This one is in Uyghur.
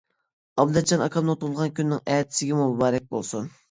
ئابلەتجان ئاكامنىڭ تۇغۇلغان كۈنىنىڭ ئەتىسىگىمۇ مۇبارەك بولسۇن!